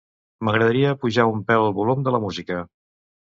M'agradaria apujar un pèl el volum de la música.